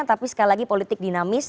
tapi sekali lagi politik dinamis